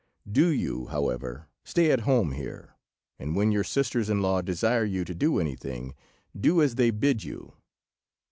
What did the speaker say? Do you, however, stay at home here, and when your sisters in law desire you to do anything, do as they bid you."